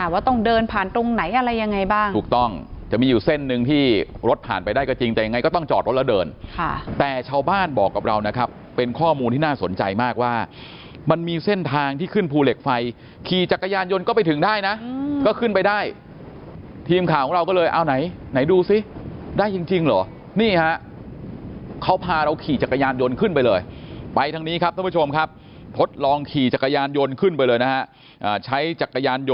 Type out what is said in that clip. ว่าต้องเดินผ่านตรงไหนอะไรยังไงบ้างถูกต้องจะมีอยู่เส้นหนึ่งที่รถผ่านไปได้ก็จริงแต่ยังไงก็ต้องจอดรถแล้วเดินแต่ชาวบ้านบอกกับเรานะครับเป็นข้อมูลที่น่าสนใจมากว่ามันมีเส้นทางที่ขึ้นภูเหล็กไฟขี่จักรยานยนต์ก็ไปถึงได้นะก็ขึ้นไปได้ทีมข่าวของเราก็เลยเอาไหนไหนดูซิได้จริงหรอนี่ฮะเขาพา